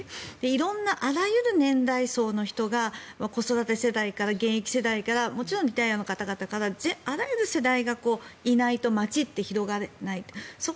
色んなあらゆる年齢層の人が子育て世代から、現役世代からもちろんリタイアの方々からあらゆる世代の方がいないと街って広がれない。